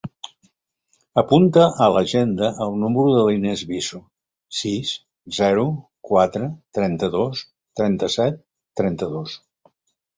Apunta a l'agenda el número de l'Inès Viso: sis, zero, quatre, trenta-dos, trenta-set, trenta-dos.